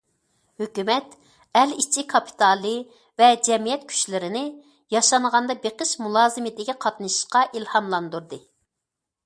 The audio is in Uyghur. ھۆكۈمەت ئەل ئىچى كاپىتالى ۋە جەمئىيەت كۈچلىرىنى ياشانغاندا بېقىش مۇلازىمىتىگە قاتنىشىشقا ئىلھاملاندۇردى.